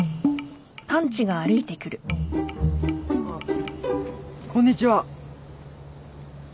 あっこんにちは。